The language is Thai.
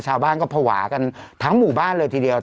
ชาวบ้านก็ภาวะกันทั้งหมู่บ้านเลยทีเดียว